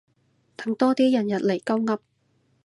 等多啲人入嚟鳩噏